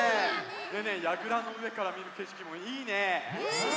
でねやぐらのうえからみるけしきもいいね！